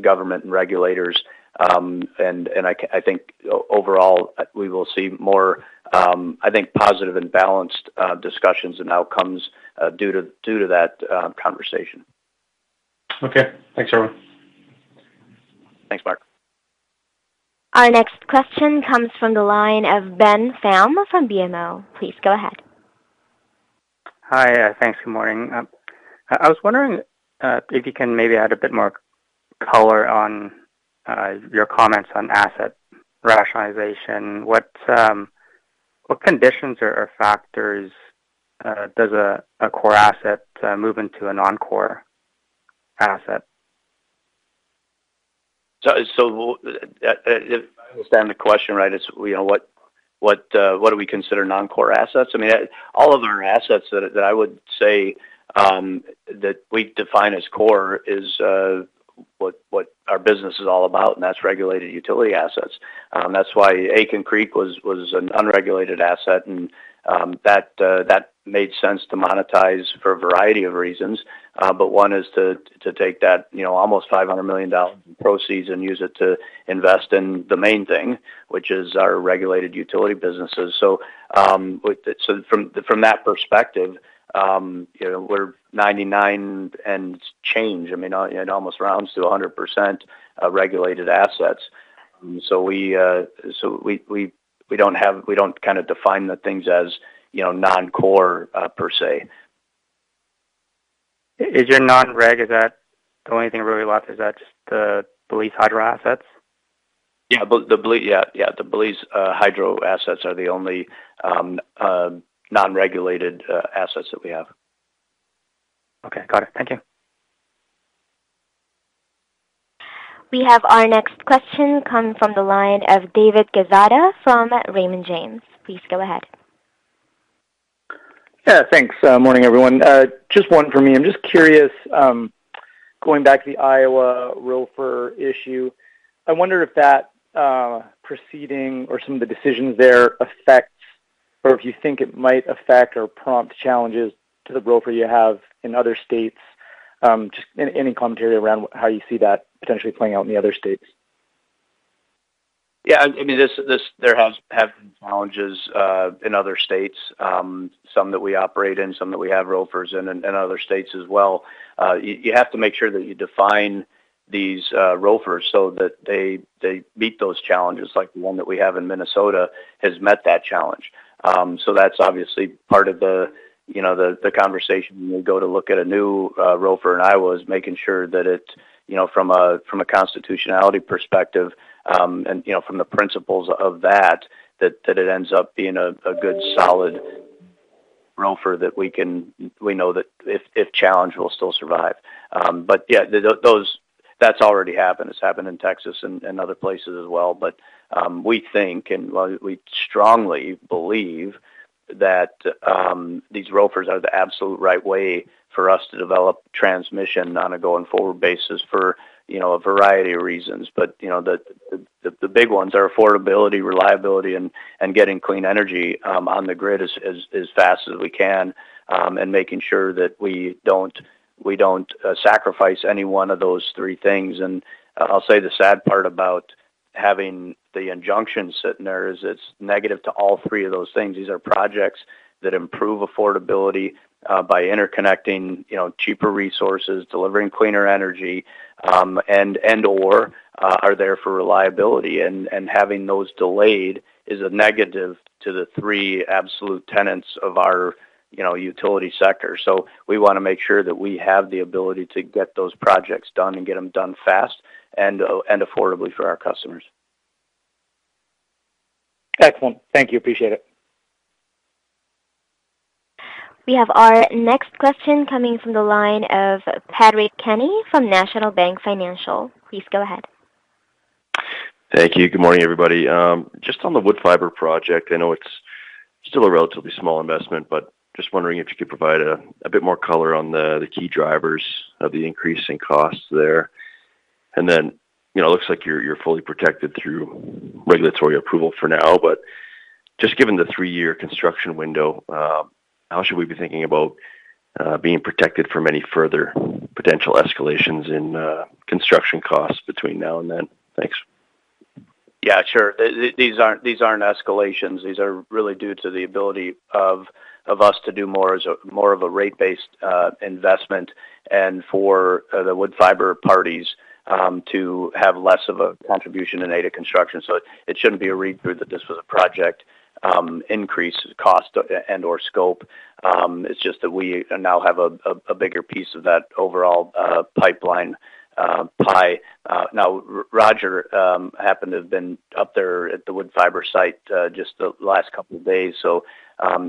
government and regulators. And I think overall, we will see more, I think, positive and balanced discussions and outcomes due to that conversation. Okay. Thanks, everyone. Thanks, Mark. Our next question comes from the line of Ben Pham from BMO. Please go ahead. Hi. Thanks. Good morning. I was wondering if you can maybe add a bit more color on your comments on asset rationalization. What conditions or factors does a core asset move into a non-core asset? So if I understand the question right, it's what do we consider non-core assets? I mean, all of our assets that I would say that we define as core is what our business is all about, and that's regulated utility assets. That's why Aitken Creek was an unregulated asset, and that made sense to monetize for a variety of reasons. But one is to take that almost 500 million dollars in proceeds and use it to invest in the main thing, which is our regulated utility businesses. So from that perspective, we're 99 and change. I mean, it almost rounds to 100% regulated assets. So we don't kind of define the things as non-core per se. Is your non-reg, is that the only thing really left? Is that just the Belize hydro assets? Yeah. Yeah. Yeah. The Belize hydro assets are the only non-regulated assets that we have. Okay. Got it. Thank you. We have our next question come from the line of David Quezada from Raymond James. Please go ahead. Yeah. Thanks. Morning, everyone. Just one for me. I'm just curious, going back to the Iowa ROFR issue. I wondered if that proceeding or some of the decisions there affects or if you think it might affect or prompt challenges to the ROFR you have in other states. Just any commentary around how you see that potentially playing out in the other states. Yeah. I mean, there have been challenges in other states, some that we operate in, some that we have ROFRs in, and other states as well. You have to make sure that you define these ROFRs so that they meet those challenges. The one that we have in Minnesota has met that challenge. So that's obviously part of the conversation when we go to look at a new ROFR in Iowa is making sure that it, from a constitutionality perspective and from the principles of that, that it ends up being a good, solid ROFR that we know that if challenged, will still survive. But yeah, that's already happened. It's happened in Texas and other places as well. But we think, and we strongly believe, that these ROFRs are the absolute right way for us to develop transmission on a going forward basis for a variety of reasons. But the big ones are affordability, reliability, and getting clean energy on the grid as fast as we can and making sure that we don't sacrifice any one of those three things. And I'll say the sad part about having the injunction sitting there is it's negative to all three of those things. These are projects that improve affordability by interconnecting cheaper resources, delivering cleaner energy, and/or are there for reliability. And having those delayed is a negative to the three absolute tenets of our utility sector. So we want to make sure that we have the ability to get those projects done and get them done fast and affordably for our customers. Excellent. Thank you. Appreciate it. We have our next question coming from the line of Patrick Kenny from National Bank Financial. Please go ahead. Thank you. Good morning, everybody. Just on the Woodfibre project, I know it's still a relatively small investment, but just wondering if you could provide a bit more color on the key drivers of the increase in costs there. And then it looks like you're fully protected through regulatory approval for now. But just given the three-year construction window, how should we be thinking about being protected from any further potential escalations in construction costs between now and then? Thanks. Yeah. Sure. These aren't escalations. These are really due to the ability of us to do more of a rate-based investment and for the Woodfibre parties to have less of a contribution in aid of construction. So it shouldn't be a read-through that this was a project increase cost and/or scope. It's just that we now have a bigger piece of that overall pipeline pie. Now, Roger happened to have been up there at the Woodfibre site just the last couple of days, so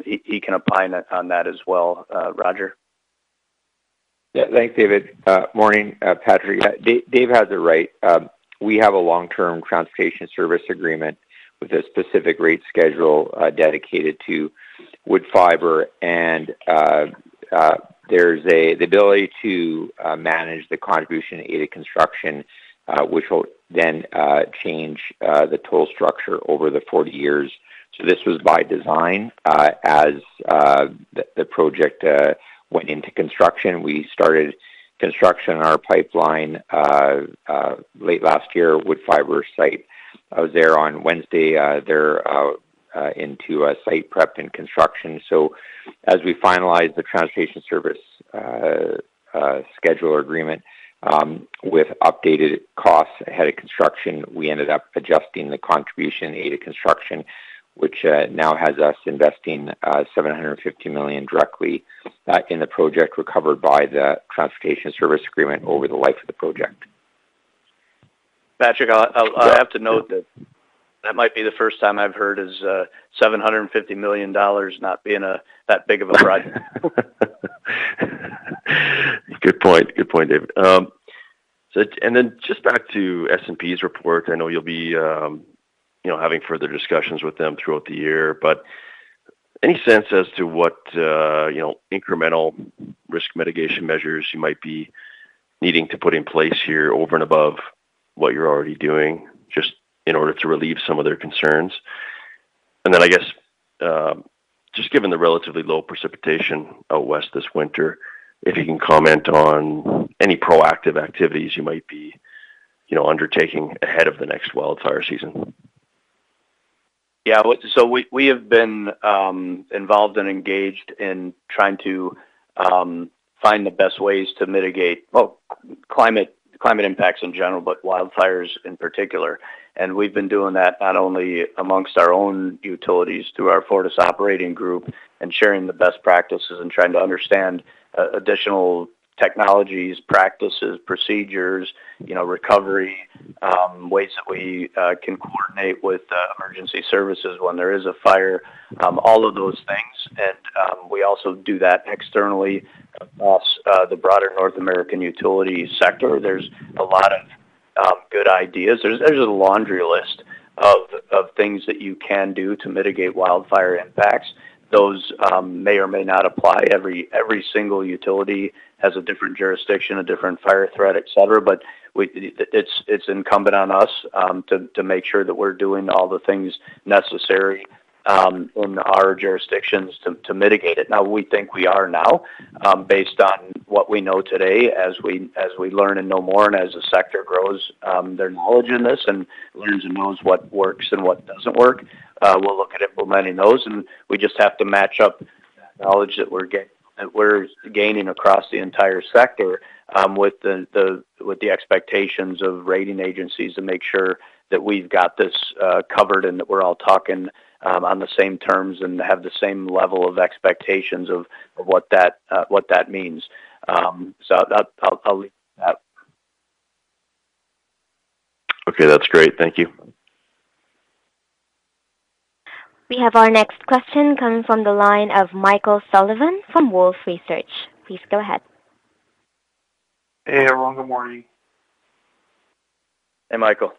he can opine on that as well, Roger. Yeah. Thanks, David. Morning, Patrick. Yeah. Dave has it right. We have a long-term transportation service agreement with a specific rate schedule dedicated to Woodfibre. And there's the ability to manage the contribution to aid of construction, which will then change the toll structure over the 40 years. So this was by design. As the project went into construction, we started construction on our pipeline late last year, Woodfibre site. I was there on Wednesday there into site prep and construction. So as we finalized the transportation service schedule agreement with updated costs ahead of construction, we ended up adjusting the contribution to aid of construction, which now has us investing 750 million directly in the project recovered by the transportation service agreement over the life of the project. Patrick, I'll have to note that that might be the first time I've heard is 750 million dollars not being that big of a project. Good point. Good point, David. Then just back to S&P's report, I know you'll be having further discussions with them throughout the year. Any sense as to what incremental risk mitigation measures you might be needing to put in place here over and above what you're already doing just in order to relieve some of their concerns? Then I guess just given the relatively low precipitation out west this winter, if you can comment on any proactive activities you might be undertaking ahead of the next wildfire season? Yeah. So we have been involved and engaged in trying to find the best ways to mitigate, well, climate impacts in general, but wildfires in particular. We've been doing that not only amongst our own utilities through our Fortis operating group and sharing the best practices and trying to understand additional technologies, practices, procedures, recovery, ways that we can coordinate with emergency services when there is a fire, all of those things. We also do that externally across the broader North American utility sector. There's a lot of good ideas. There's a laundry list of things that you can do to mitigate wildfire impacts. Those may or may not apply. Every single utility has a different jurisdiction, a different fire threat, etc. But it's incumbent on us to make sure that we're doing all the things necessary in our jurisdictions to mitigate it. Now, we think we are now based on what we know today. As we learn and know more and as the sector grows, their knowledge in this and learns and knows what works and what doesn't work, we'll look at implementing those. We just have to match up that knowledge that we're gaining across the entire sector with the expectations of rating agencies to make sure that we've got this covered and that we're all talking on the same terms and have the same level of expectations of what that means. I'll leave it at that. Okay. That's great. Thank you. We have our next question coming from the line of Michael Sullivan from Wolfe Research. Please go ahead. Hey, Everyone. Morning. Hey, Michael.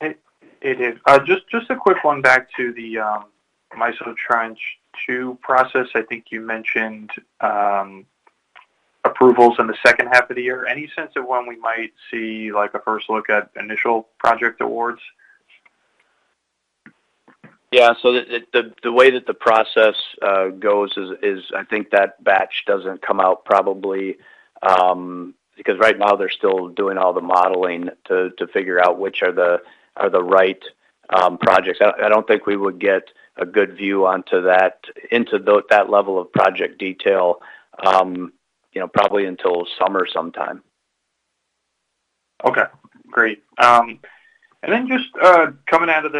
Hey. It is. Just a quick one back to the MISO Tranche 2 process. I think you mentioned approvals in the second half of the year. Any sense of when we might see a first look at initial project awards? Yeah. So the way that the process goes is I think that batch doesn't come out probably because right now, they're still doing all the modeling to figure out which are the right projects. I don't think we would get a good view onto that, into that level of project detail, probably until summer sometime. Okay. Great. And then just coming out of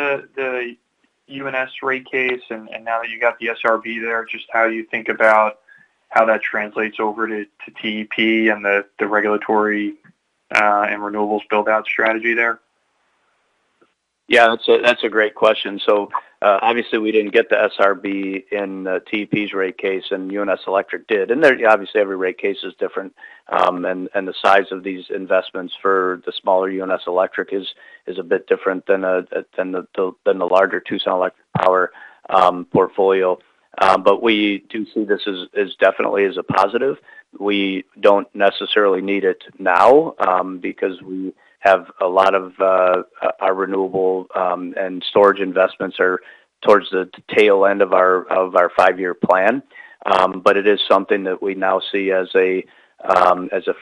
the UNS rate case and now that you got the SRB there, just how you think about how that translates over to TEP and the regulatory and renewables buildout strategy there? Yeah. That's a great question. So obviously, we didn't get the SRB in the TEP's rate case, and UNS Electric did. Obviously, every rate case is different, and the size of these investments for the smaller UNS Electric is a bit different than the larger Tucson Electric Power portfolio. But we do see this definitely as a positive. We don't necessarily need it now because we have a lot of our renewable and storage investments are towards the tail end of our five-year plan. But it is something that we now see as a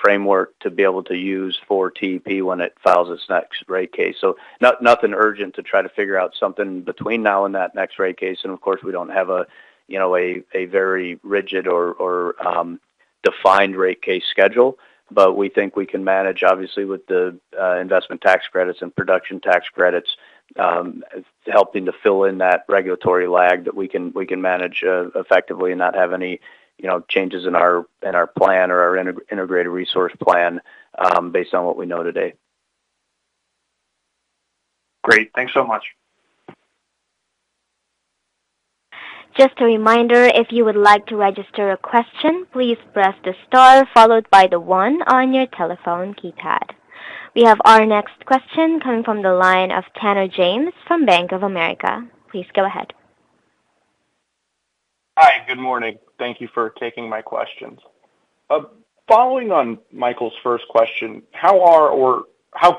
framework to be able to use for TEP when it files its next rate case. So nothing urgent to try to figure out something between now and that next rate case. Of course, we don't have a very rigid or defined rate case schedule. But we think we can manage, obviously, with the investment tax credits and production tax credits helping to fill in that regulatory lag that we can manage effectively and not have any changes in our plan or our integrated resource plan based on what we know today. Great. Thanks so much. Just a reminder, if you would like to register a question, please press the star followed by the one on your telephone keypad. We have our next question coming from the line of Tanner James from Bank of America. Please go ahead. Hi. Good morning. Thank you for taking my questions. Following on Michael's first question, how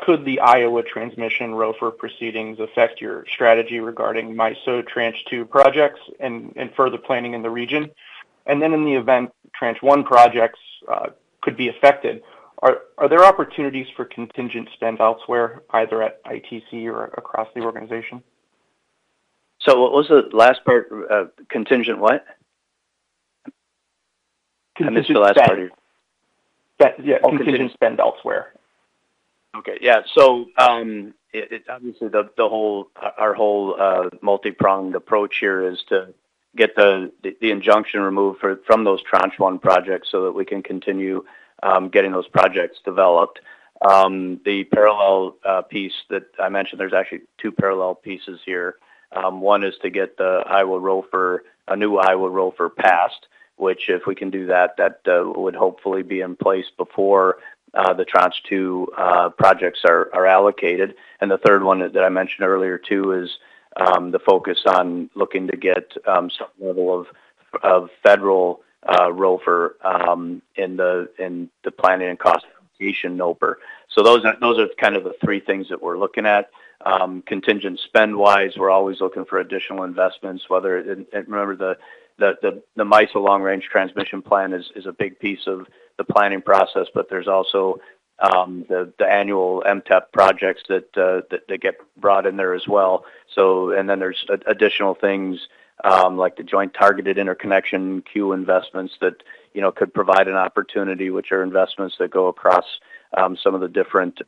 could the Iowa transmission ROFR proceedings affect your strategy regarding MISO Tranche 2 projects and further planning in the region? And then in the event Tranche 1 projects could be affected, are there opportunities for contingent spend elsewhere, either at ITC or across the organization? What was the last part? Contingent what? I missed the last part of your. Yeah. Yeah. Contingent spend elsewhere. Okay. Yeah. So obviously, our whole multi-pronged approach here is to get the injunction removed from those Tranche 1 projects so that we can continue getting those projects developed. The parallel piece that I mentioned, there's actually two parallel pieces here. One is to get a new Iowa ROFR passed, which if we can do that, that would hopefully be in place before the Tranche 2 projects are allocated. And the third one that I mentioned earlier too is the focus on looking to get some level of federal ROFR in the Planning and Cost Allocation NOPR. So those are kind of the three things that we're looking at. Contingent spend-wise, we're always looking for additional investments. Remember, the MISO long-range transmission plan is a big piece of the planning process, but there's also the annual MTEP projects that get brought in there as well. And then there's additional things like the Joint Targeted Interconnection Queue Investments that could provide an opportunity, which are investments that go across some of the different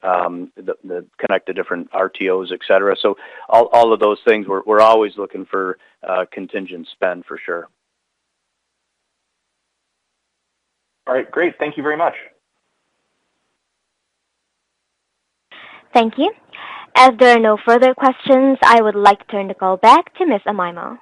connect to different RTOs, etc. So all of those things, we're always looking for contingent spend for sure. All right. Great. Thank you very much. Thank you. As there are no further questions, I would like to turn the call back to Ms. Amaimo.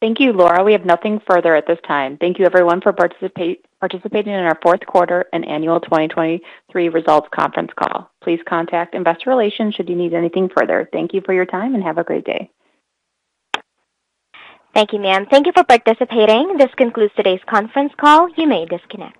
Thank you, Lara. We have nothing further at this time. Thank you, everyone, for participating in our fourth quarter and annual 2023 results conference call. Please contact Investor Relations should you need anything further. Thank you for your time, and have a great day. Thank you, ma'am. Thank you for participating. This concludes today's conference call. You may disconnect.